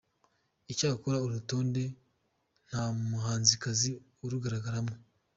Icyakora uru rutonde nta muhanzikazi urugaragaraho.